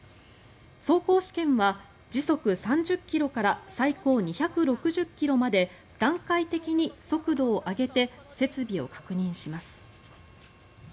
走行試験は時速３０ｋｍから最高２６０ｋｍまで段階的に速度を上げて設備を確認します。